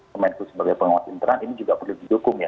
pemenkus sebagai penguat internas ini juga perlu didukung ya